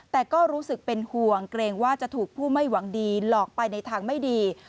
แต่ก็รู้สึกเป็นห่วงเกรงว่าจะถูกผู้ไม่หวังดีหลอกไปในทางไม่ดี